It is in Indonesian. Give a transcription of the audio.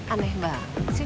aneh banget sih